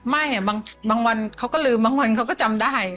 บางวันเขาก็ลืมบางวันเขาก็จำได้